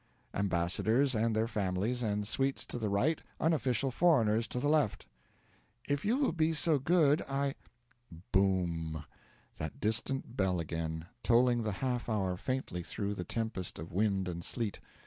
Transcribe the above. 'Ambassadors and their families and suites to the right; unofficial foreigners to the left.' 'If you will be so good, I ' Boom! That distant bell again, tolling the half hour faintly through the tempest of wind and sleet.